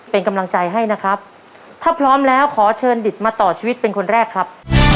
ถ้าพร้อมแล้วขอเชิญดิตมาต่อชีวิตเป็นคนแรกครับ